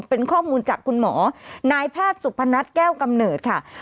เป็นข้อมูลจากคุณหมอนายแพทย์สุพนัทแก้วกำเนิดค่ะ